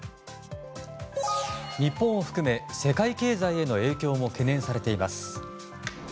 日本を含め世界経済への影響も懸念されています。